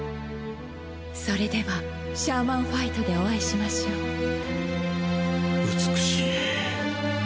それではシャーマンファイトでお会いしましょう。美しい。